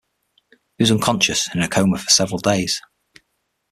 He was unconscious and in a coma for several days.